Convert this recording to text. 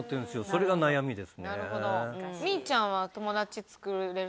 それが悩みですね。